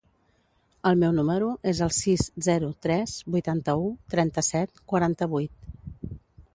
El meu número es el sis, zero, tres, vuitanta-u, trenta-set, quaranta-vuit.